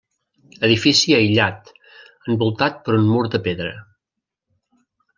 Edifici aïllat, envoltat per un mur de pedra.